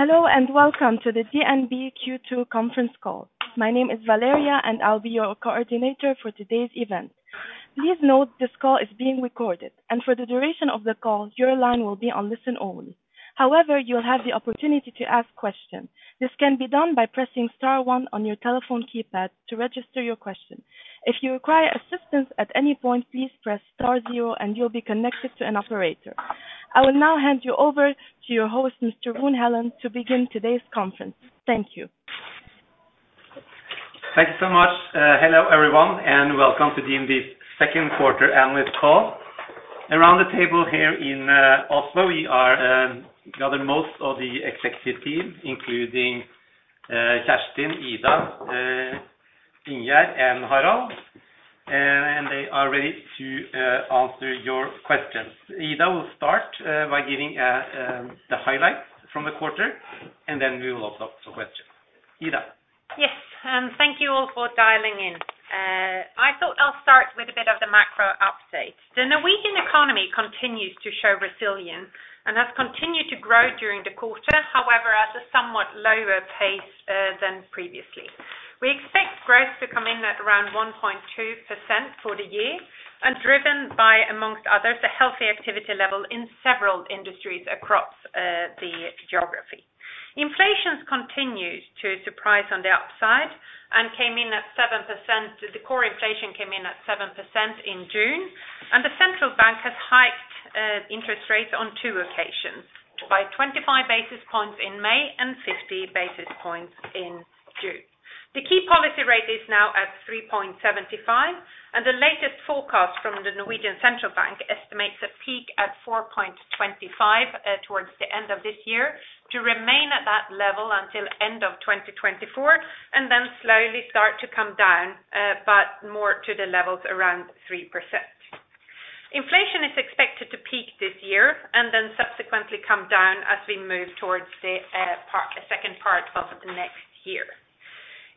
Hello, welcome to the DNB Q2 conference call. My name is Valeria, and I'll be your coordinator for today's event. Please note, this call is being recorded, and for the duration of the call, your line will be on listen-only. However, you'll have the opportunity to ask questions. This can be done by pressing star one on your telephone keypad to register your question. If you require assistance at any point, please press star zero, and you'll be connected to an operator. I will now hand you over to your host, Mr. Rune Helland, to begin today's conference. Thank you. Thank you so much. Hello, everyone, and welcome to DNB's second quarter analyst call. Around the table here in Oslo, we are gathered most of the executive team, including Kjerstin, Ida, Ingjerd, and Harald, and they are ready to answer your questions. Ida will start by giving the highlights from the quarter, and then we will open up for questions. Ida? Yes, thank you all for dialing in. I thought I'll start with a bit of the macro update. The Norwegian economy continues to show resilience and has continued to grow during the quarter. However, at a somewhat lower pace than previously. We expect growth to come in at around 1.2% for the year, driven by, amongst others, a healthy activity level in several industries across the geography. Inflation continued to surprise on the upside and came in at 7%. The core inflation came in at 7% in June. The central bank has hiked interest rates on two occasions, by 25 basis points in May and 50 basis points in June. The key policy rate is now at 3.75, and the latest forecast from Norges Bank estimates a peak at 4.25 towards the end of this year, to remain at that level until end of 2024, then slowly start to come down, more to the levels around 3%. Inflation is expected to peak this year then subsequently come down as we move towards the second part of the next year.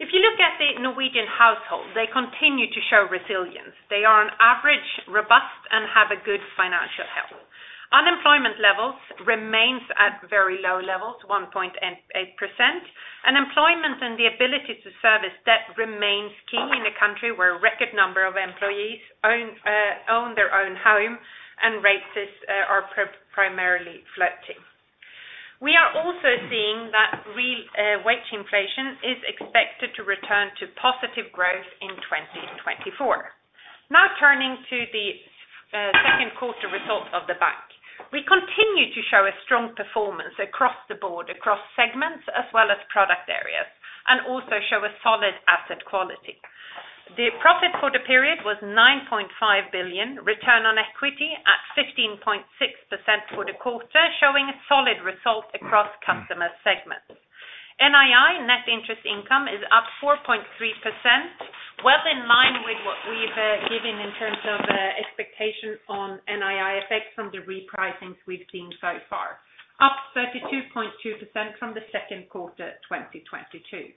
If you look at the Norwegian household, they continue to show resilience. They are on average, robust and have a good financial health. Unemployment levels remains at very low levels, 1.8%, and employment and the ability to service debt remains key in a country where a record number of employees own their own home and rates are primarily floating. We are also seeing that real wage inflation is expected to return to positive growth in 2024. Turning to the second quarter results of the bank. We continue to show a strong performance across the board, across segments as well as product areas, and also show a solid asset quality. The profit for the period was 9.5 billion, return on equity at 15.6% for the quarter, showing a solid result across customer segments. NII, Net Interest Income, is up 4.3%, well in line with what we've given in terms of expectation on NII effects from the repricing we've seen so far, up 32.2% from the second quarter, 2022.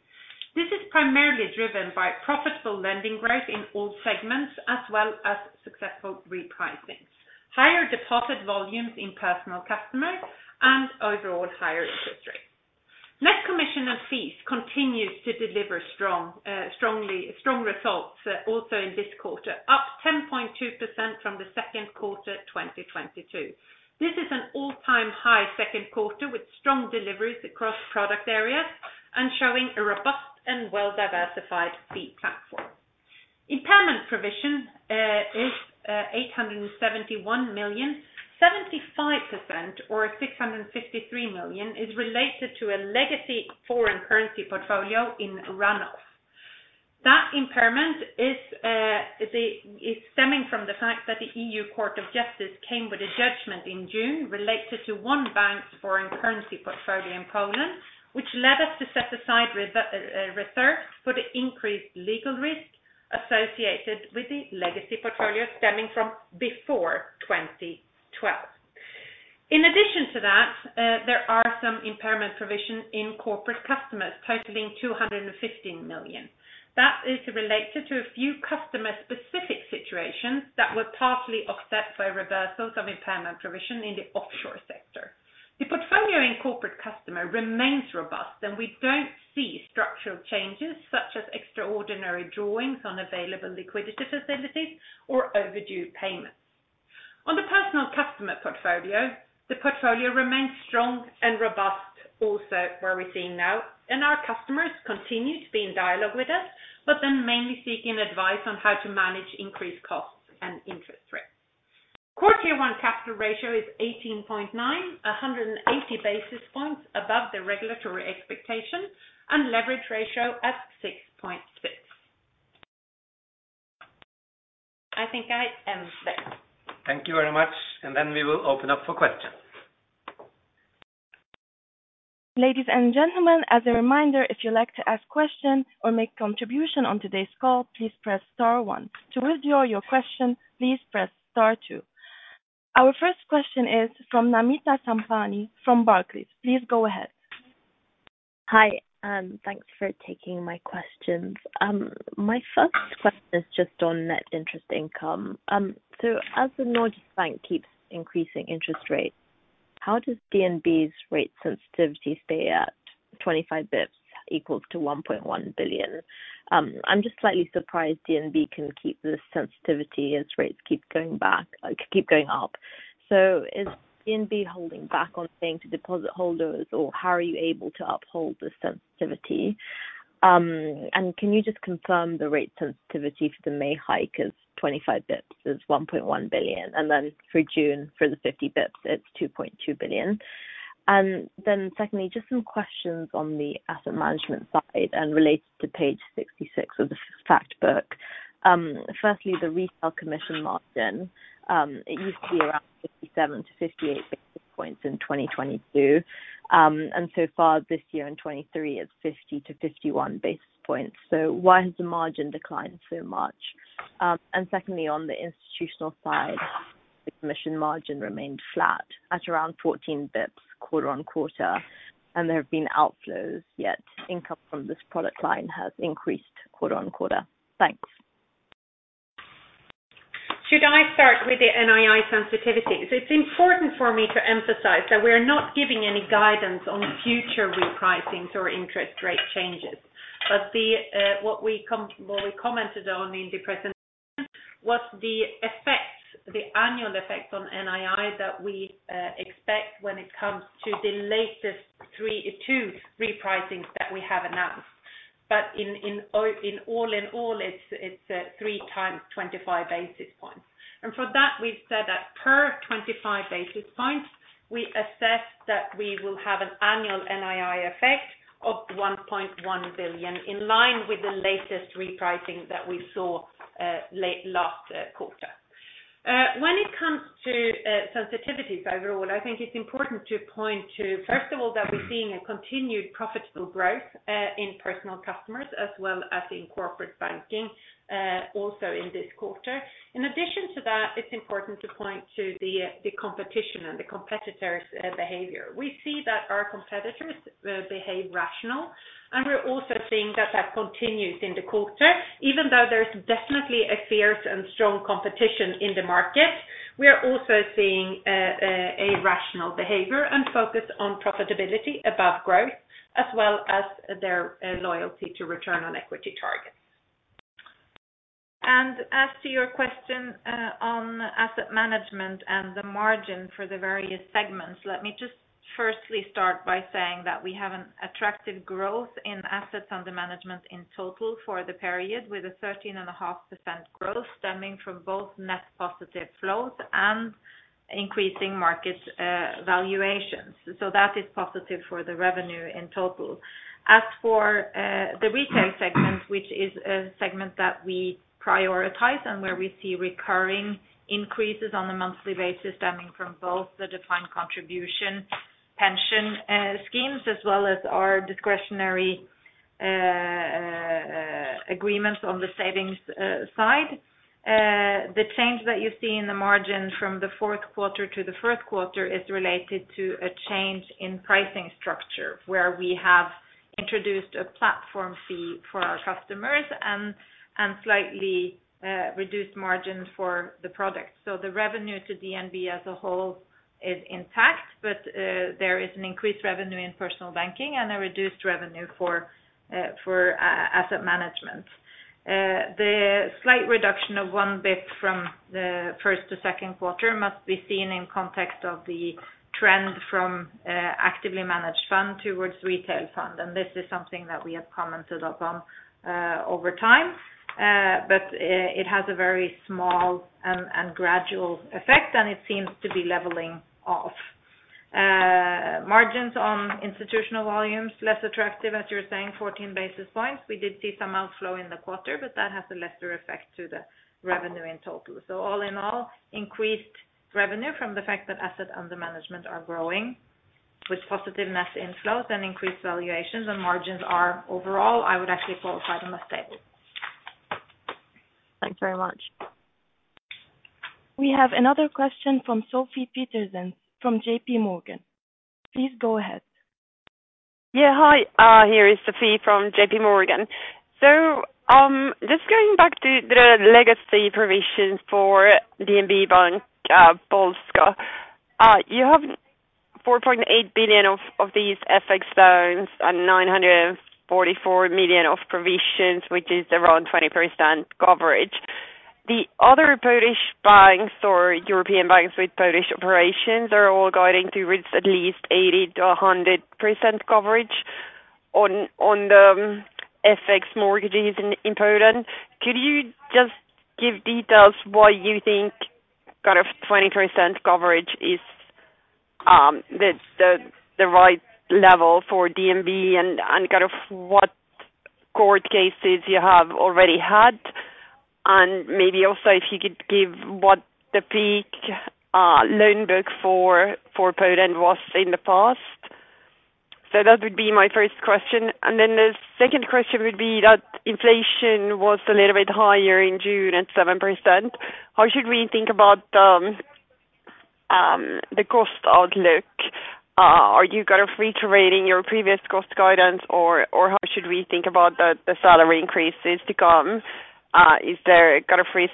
This is primarily driven by profitable lending growth in all segments, as well as successful repricing, higher deposit volumes in personal customers, and overall higher interest rates. Net commission and fees continues to deliver strong results also in this quarter, up 10.2% from the second quarter, 2022. This is an all-time high second quarter, with strong deliveries across product areas and showing a robust and well-diversified fee platform. Impairment provision is 871 million, 75%, or 653 million, is related to a legacy foreign currency portfolio in runoff. That impairment is stemming from the fact that the EU Court of Justice came with a judgment in June related to one bank's foreign currency portfolio in Poland, which led us to set aside reserves for the increased legal risk associated with the legacy portfolio stemming from before 2012. In addition to that, there are some impairment provisions in corporate customers, totaling 215 million. That is related to a few customer-specific situations that were partly offset by reversals of impairment provisions in the offshore sector. The portfolio in corporate customers remains robust, we don't see structural changes, such as extraordinary drawings on available liquidity facilities or overdue payments. On the personal customer portfolio, the portfolio remains strong and robust also, where we're seeing now. Our customers continue to be in dialogue with us, mainly seeking advice on how to manage increased costs and interest rates. Core Tier 1 capital ratio is 18.9, 180 basis points above the regulatory expectation. Leverage ratio at 6.6. I think I am there. Thank you very much, we will open up for questions. Ladies and gentlemen, as a reminder, if you'd like to ask questions or make contribution on today's call, please press star one. To withdraw your question, please press star two. Our first question is from Namita Samtani, from Barclays. Please go ahead. Hi, thanks for taking my questions. My first question is just on net interest income. As the Norges Bank keeps increasing interest rates, how does DNB's rate sensitivity stay at 25 bps equals to 1.1 billion? I'm just slightly surprised DNB can keep this sensitivity as rates keep going back, keep going up. Is DNB holding back on saying to deposit holders, or how are you able to uphold the sensitivity? Can you just confirm the rate sensitivity for the May hike is 25 bps, is 1.1 billion, for June, for the 50 bps, it's 2.2 billion. Secondly, just some questions on the asset management side and related to page 66 of the fact book. firstly, the retail commission margin, it used to be around 57 to 58 basis points in 2022. So far this year in 2023, it's 50 to 51 basis points. Why has the margin declined so much? secondly, on the institutional side, the commission margin remained flat at around 14 basis points quarter on quarter, and there have been outflows, yet income from this product line has increased quarter on quarter. Thanks. Should I start with the NII sensitivity? It's important for me to emphasize that we're not giving any guidance on future repricings or interest rate changes. What we commented on in the presentation was the effects, the annual effect on NII that we expect when it comes to the latest two repricings that we have announced. In all, it's three times 25 basis points. For that, we've said that per 25 basis points, we assess that we will have an annual NII effect of 1.1 billion, in line with the latest repricing that we saw late last quarter. When it comes to sensitivities overall, I think it's important to point to, first of all, that we're seeing a continued profitable growth in personal customers, as well as in corporate banking, also in this quarter. In addition to that, it's important to point to the competition and the competitors' behavior. We see that our competitors behave rational, and we're also seeing that that continues in the quarter. Even though there's definitely a fierce and strong competition in the market, we are also seeing, a rational behavior and focus on profitability above growth, as well as their loyalty to return on equity targets. As to your question, on asset management and the margin for the various segments, let me just firstly start by saying that we have an attractive growth in assets under management in total for the period, with a 13.5% growth stemming from both net positive flows and increasing market valuations. That is positive for the revenue in total. For the retail segment, which is a segment that we prioritize and where we see recurring increases on a monthly basis, stemming from both the defined contribution pension schemes, as well as our discretionary agreements on the savings side. The change that you see in the margin from the fourth quarter to the first quarter is related to a change in pricing structure, where we have introduced a platform fee for our customers and slightly reduced margin for the product. The revenue to DNB as a whole is intact, but there is an increased revenue in personal banking and a reduced revenue for asset management. The slight reduction of 1 bp from the first to second quarter must be seen in context of the trend from actively managed fund towards retail fund. This is something that we have commented upon over time. It has a very small and gradual effect, and it seems to be leveling off. Margins on institutional volumes, less attractive, as you're saying, 14 basis points. We did see some outflow in the quarter. That has a lesser effect to the revenue in total. All in all, increased revenue from the fact that assets under management are growing with positive net inflows and increased valuations. Margins are overall, I would actually qualify them as stable. Thanks very much. We have another question from Sophie Peterzens from J.P. Morgan. Please go ahead. Hi, here is Sophie from JP Morgan. Just going back to the legacy provision for DNB Bank Polska. You have 4.8 billion of these FX loans and 944 million of provisions, which is around 20% coverage. The other Polish banks or European banks with Polish operations are all guiding to reach at least 80%-100% coverage on the FX mortgages in Poland. Could you just give details why you think kind of 20% coverage is the right level for DNB and kind of what court cases you have already had? Maybe also if you could give what the peak loan book for Poland was in the past. That would be my first question. The second question would be that inflation was a little bit higher in June at 7%. How should we think about the cost outlook, are you going to reiterating your previous cost guidance, or how should we think about the salary increases to come? Is there kind of risk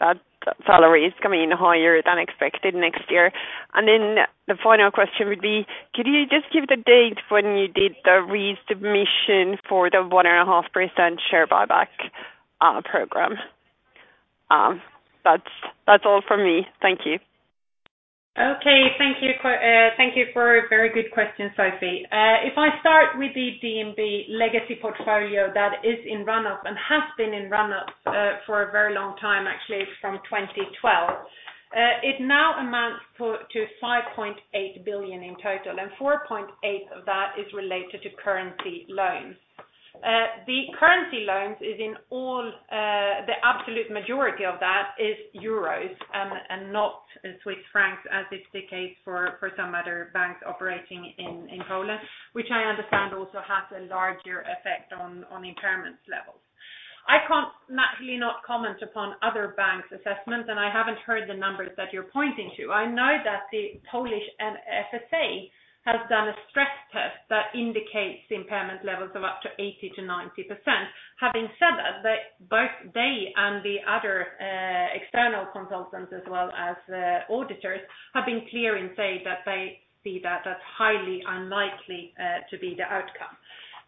that salary is coming in higher than expected next year? The final question would be: Could you just give the date when you did the resubmission for the 1.5% share buyback program? That's all from me. Thank you. Okay, thank you for a very good question, Sophie. If I start with the DNB legacy portfolio that is in run-up and has been in run-up for a very long time, actually, from 2012. It now amounts to 5.8 billion in total, and 4.8 billion of that is related to currency loans. The currency loans is in all, the absolute majority of that is euros, and not Swiss francs, as is the case for some other banks operating in Poland, which I understand also has a larger effect on impairment levels. I can't naturally not comment upon other banks assessments, and I haven't heard the numbers that you're pointing to. I know that the Polish FSA has done a stress test that indicates impairment levels of up to 80%-90%. Having said that, both they and the other external consultants, as well as the auditors, have been clear in saying that they see that as highly unlikely to be the outcome.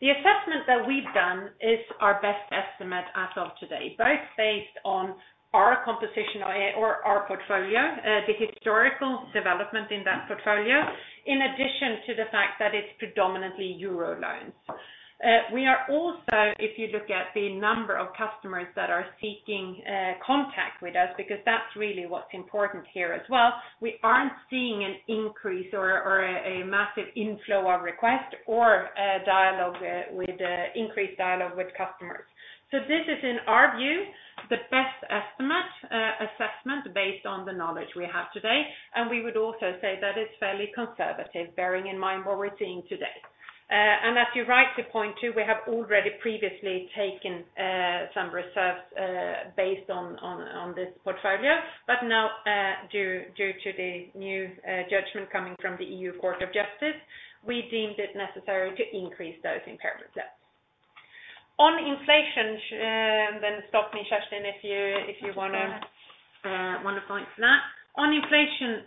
The assessment that we've done is our best estimate as of today, both based on our composition or our portfolio, the historical development in that portfolio, in addition to the fact that it's predominantly euro loans. We are also, if you look at the number of customers that are seeking contact with us, because that's really what's important here as well, we aren't seeing an increase or a massive inflow of requests or a dialogue with increased dialogue with customers. This is, in our view, the best estimate assessment based on the knowledge we have today. We would also say that it's fairly conservative, bearing in mind what we're seeing today. As you're right to point to, we have already previously taken some reserves based on this portfolio. Now, due to the new judgment coming from the EU Court of Justice, we deemed it necessary to increase those impairment levels. On inflation, stop me, Kjerstin, if you wanna comment on that. On inflation,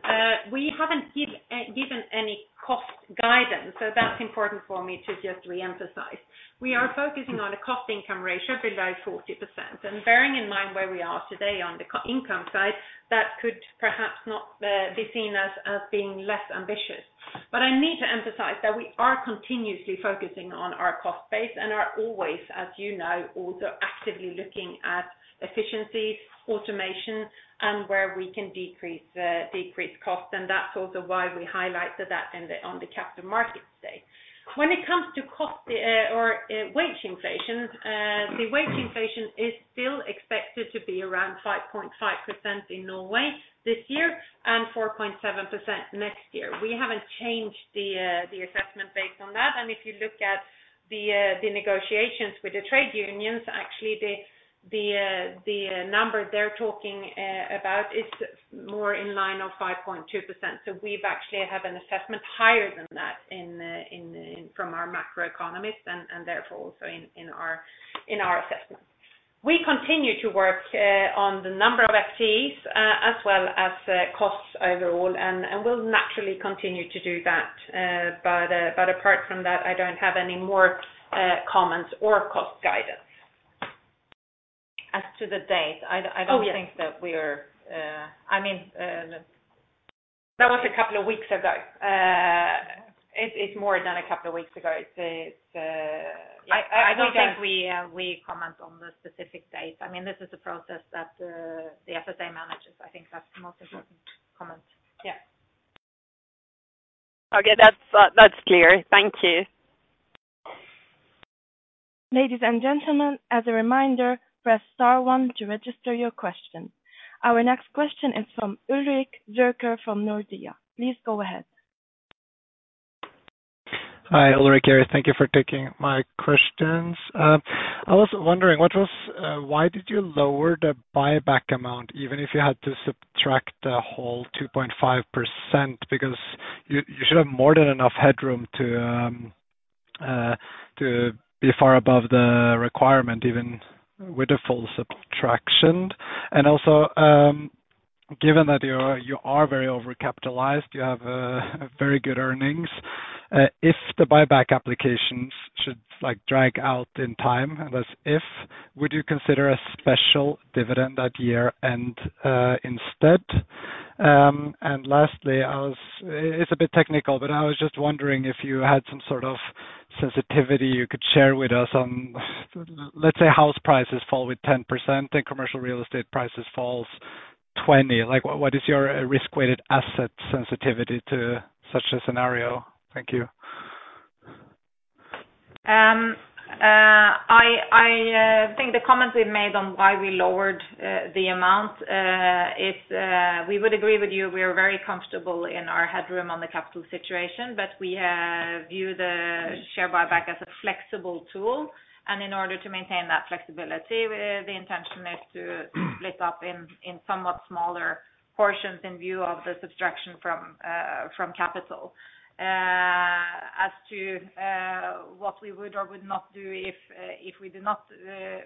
we haven't given any cost guidance, that's important for me to just reemphasize. We are focusing on a cost-to-income ratio below 40%. Bearing in mind where we are today on the income side, that could perhaps not be seen as being less ambitious. I need to emphasize that we are continuously focusing on our cost base and are always, as you know, also actively looking at efficiencies, automation, and where we can decrease costs. That's also why we highlighted that on the capital markets today. When it comes to cost or wage inflation, the wage inflation is still expected to be around 5.5% in Norway this year and 4.7% next year. We haven't changed the assessment based on that. If you look at the negotiations with the trade unions, actually, the number they're talking about is more in line of 5.2%. We've actually have an assessment higher than that from our macroeconomist and therefore also in our assessment. We continue to work on the number of FTEs as well as costs overall, and we'll naturally continue to do that. Apart from that, I don't have any more comments or cost guidance. As to the date, I don't- Oh, yeah. I don't think that we are, I mean, that was a couple of weeks ago. It's more than a couple of weeks ago. It's, I don't think we comment on the specific date. I mean, this is a process that the KNF manages. I think that's the most important comment. Yeah. Okay, that's clear. Thank you. Ladies and gentlemen, as a reminder, press star 1 to register your question. Our next question is from Ulrik Årdal Zürcher from Nordea. Please go ahead. Hi, Ulrich here. Thank you for taking my questions. I was wondering why did you lower the buyback amount, even if you had to subtract the whole 2.5%? You should have more than enough headroom to be far above the requirement, even with the full subtraction. Also, given that you are very overcapitalized, you have very good earnings. If the buyback applications should, like, drag out in time, that's if, would you consider a special dividend that year instead? Lastly, it's a bit technical, but I was just wondering if you had some sort of sensitivity you could share with us on, let's say, house prices fall with 10% and commercial real estate prices falls 20%. Like, what is your risk-weighted asset sensitivity to such a scenario? Thank you. I think the comments we've made on why we lowered the amount is we would agree with you. We are very comfortable in our headroom on the capital situation, but we view the share buyback as a flexible tool, and in order to maintain that flexibility, the intention is to split up in somewhat smaller portions in view of the subtraction from capital. as to, what we would or would not do if we do not,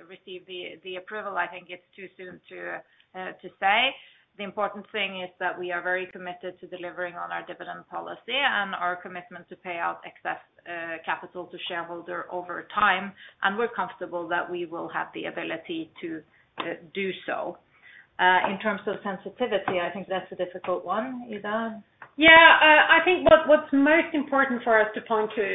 receive the approval, I think it's too soon to say. The important thing is that we are very committed to delivering on our dividend policy and our commitment to pay out excess, capital to shareholder over time. We're comfortable that we will have the ability to, do so. In terms of sensitivity, I think that's a difficult one, Ida? Yeah, I think what's most important for us to point to,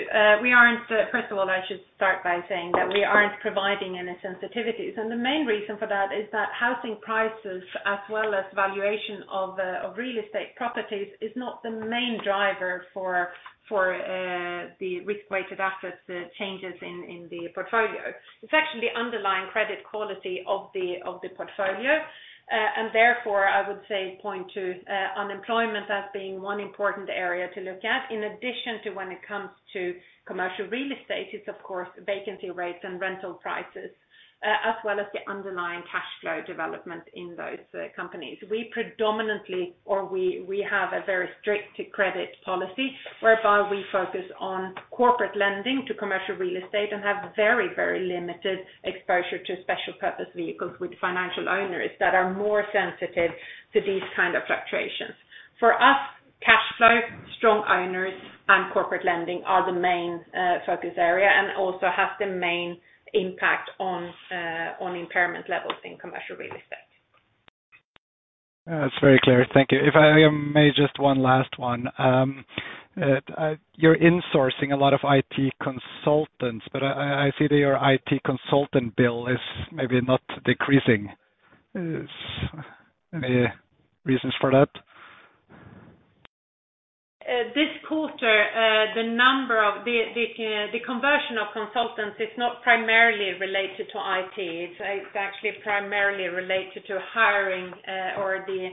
first of all, I should start by saying that we aren't providing any sensitivities. The main reason for that is that housing prices as well as valuation of real estate properties is not the main driver for the risk-weighted assets changes in the portfolio. It's actually underlying credit quality of the portfolio. Therefore, I would say point to unemployment as being one important area to look at, in addition to when it comes to commercial real estate, it's of course, vacancy rates and rental prices, as well as the underlying cash flow development in those companies. We predominantly or we have a very strict credit policy, whereby we focus on corporate lending to commercial real estate and have very, very limited exposure to special purpose vehicles with financial owners, that are more sensitive to these kind of fluctuations. For us, cash flow, strong owners, and corporate lending are the main focus area and also have the main impact on impairment levels in commercial real estate. That's very clear. Thank you. If I may just one last one. You're insourcing a lot of IT consultants, but I see that your IT consultant bill is maybe not decreasing. Is any reasons for that? This quarter, the number of the conversion of consultants is not primarily related to IT. It's actually primarily related to hiring, or the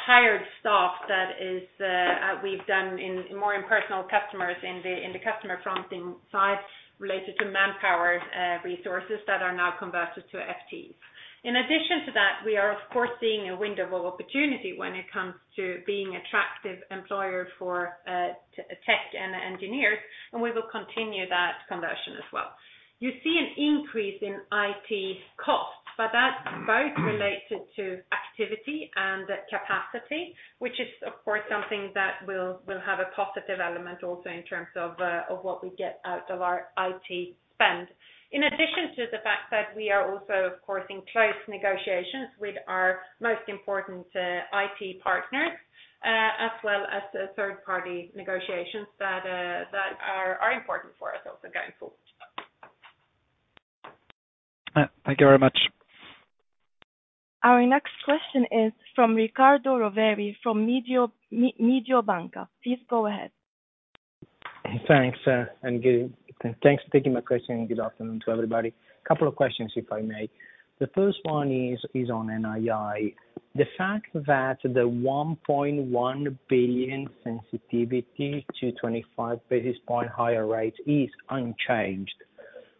hired staff that is, we've done in more impersonal customers in the customer-fronting side, related to manpower, resources that are now converted to FTs. In addition to that, we are, of course, seeing a window of opportunity when it comes to being attractive employer for tech and engineers, and we will continue that conversion as well. You see an increase in IT costs, but that's both related to activity and capacity, which is, of course, something that will have a positive element also in terms of what we get out of our IT spend. In addition to the fact that we are also, of course, in close negotiations with our most important, IT partners, as well as the third-party negotiations that are important for us also going forward. Thank you very much. Our next question is from Riccardo Rovere, from Mediobanca. Please go ahead. Thanks. Thanks for taking my question, and good afternoon to everybody. Couple of questions, if I may. The first one is on NII. The fact that the 1.1 billion sensitivity to 25 basis points higher rates is unchanged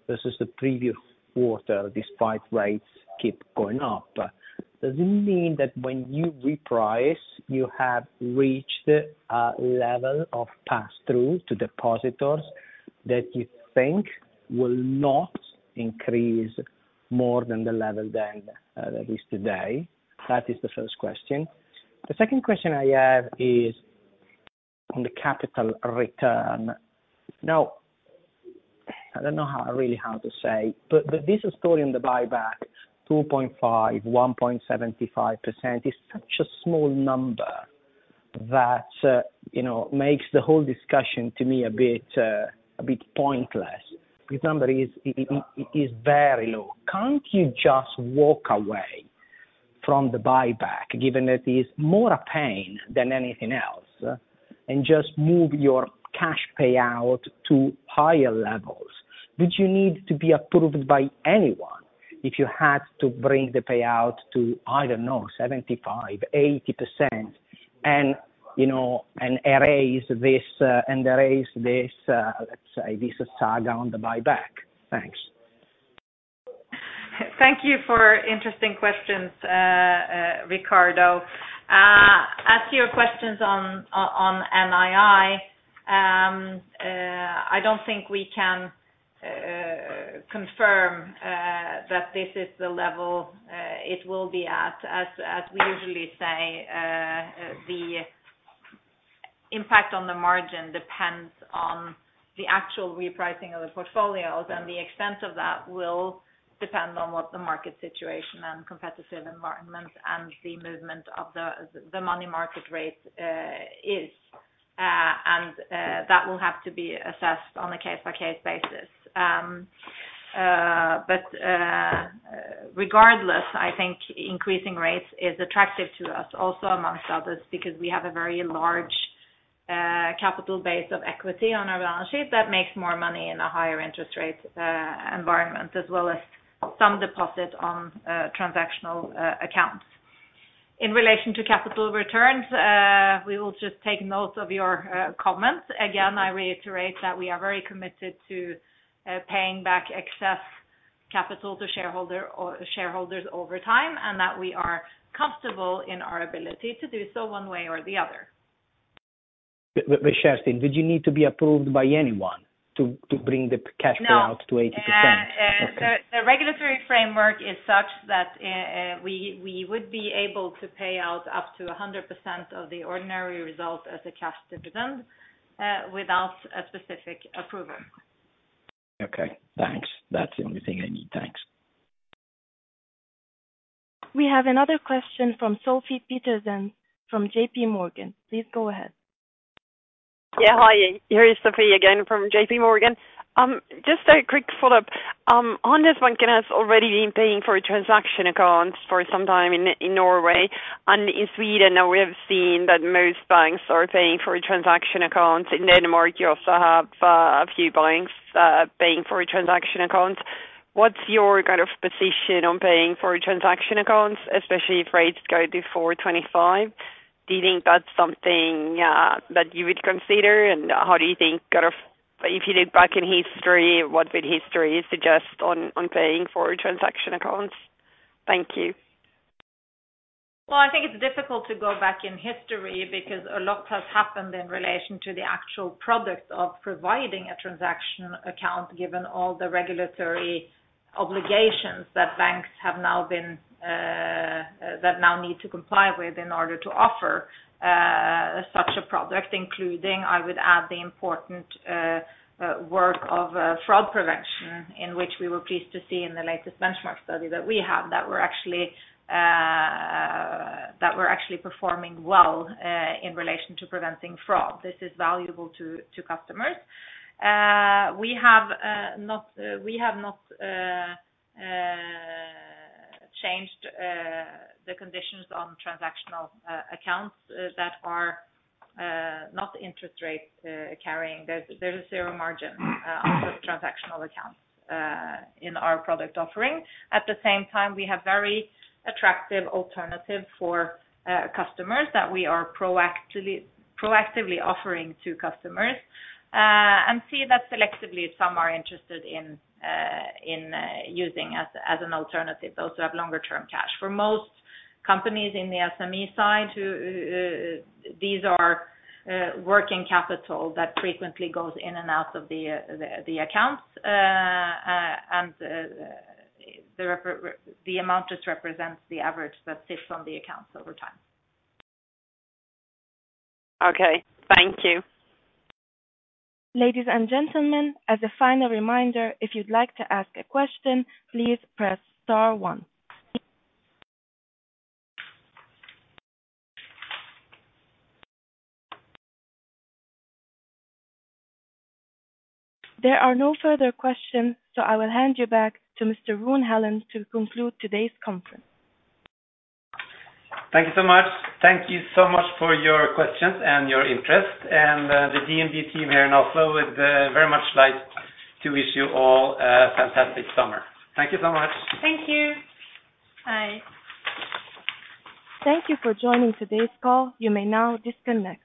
versus the previous quarter, despite rates keep going up. Does it mean that when you reprice, you have reached a level of pass-through to depositors that you think will not increase more than the level than that is today? That is the first question. The second question I have is on the capital return. Now, I don't know how, really how to say, but this story on the buyback, 2.5%, 1.75%, is such a small number that, you know, makes the whole discussion to me a bit a bit pointless. This number is very low. Can't you just walk away from the buyback, given that it is more a pain than anything else, and just move your cash payout to higher levels? Would you need to be approved by anyone, if you had to bring the payout to, I don't know, 75%-80%, and, you know, and erase this, let's say, this saga on the buyback? Thanks. Thank you for interesting questions, Riccardo. As to your questions on NII, I don't think we can confirm that this is the level it will be at. As we usually say, the impact on the margin depends on the actual repricing of the portfolios, and the extent of that will depend on what the market situation and competitive environment, and the movement of the money market rate is. That will have to be assessed on a case-by-case basis. Regardless, I think increasing rates is attractive to us, also amongst others, because we have a very large capital base of equity on our balance sheet, that makes more money in a higher interest rate environment, as well as some deposit on transactional accounts. In relation to capital returns, we will just take note of your comments. Again, I reiterate that we are very committed to paying back. Capital to shareholder or shareholders over time, and that we are comfortable in our ability to do so one way or the other. Kjerstin, did you need to be approved by anyone to bring the cash flow out to 80%? No. The regulatory framework is such that, we would be able to pay out up to 100% of the ordinary results as a cash dividend, without a specific approval. Okay, thanks. That's the only thing I need. Thanks. We have another question from Sophie Peterzens, from J.P. Morgan. Please go ahead. Yeah. Hi, here is Sophie again from JP Morgan. Just a quick follow-up. Danske Bank has already been paying for a transaction account for some time in Norway and in Sweden. We have seen that most banks are paying for a transaction account. In Denmark, you also have a few banks paying for a transaction account. What's your kind of position on paying for a transaction account, especially if rates go to 4.25? Do you think that's something that you would consider? How do you think, if you look back in history, what would history suggest on paying for transaction accounts? Thank you. Well, I think it's difficult to go back in history because a lot has happened in relation to the actual product of providing a transaction account, given all the regulatory obligations that banks have now been that now need to comply with, in order to offer such a product. Including, I would add, the important work of fraud prevention, in which we were pleased to see in the latest benchmark study that we have, that we're actually that we're actually performing well in relation to preventing fraud. This is valuable to customers. We have not changed the conditions on transactional accounts that are not interest rate carrying. There's a zero margin on those transactional accounts in our product offering. At the same time, we have very attractive alternative for customers that we are proactively offering to customers, and see that selectively some are interested in, using as an alternative. Those who have longer term cash. For most companies in the SME side, who, these are working capital that frequently goes in and out of the accounts, and the amount just represents the average that sits on the accounts over time. Okay. Thank you. Ladies and gentlemen, as a final reminder, if you'd like to ask a question, please press star one. There are no further questions, I will hand you back to Mr. Rune Helland to conclude today's conference. Thank you so much. Thank you so much for your questions and your interest, and the DNB team here, and also would very much like to wish you all a fantastic summer. Thank you so much. Thank you. Bye. Thank you for joining today's call. You may now disconnect.